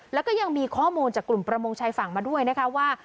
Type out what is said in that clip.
แล้วก็ยังมีข้อมูลจากกลุ่มประมงชายฝั่งมาด้วยนะคะว่า